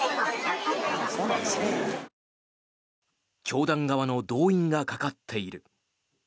教団側の動員がかかっている。